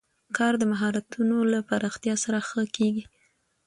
کار د مهارتونو له پراختیا سره ښه کېږي